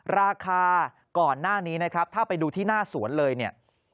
ราคาก่อนหน้านี้นะครับถ้าไปดูที่หน้าสวนเลย